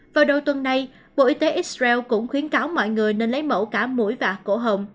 vào đầu tuần này bộ y tế israel cũng khuyến cáo mọi người nên lấy mẫu cả mũi và cổ hồng